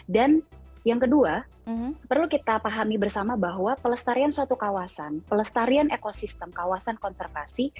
dan yang kedua perlu kita pahami bersama bahwa pelestarian suatu kawasan pelestarian ekosistem kawasan konservasi